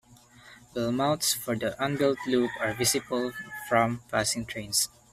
Bellmouths for the unbuilt loop are visible from passing trains.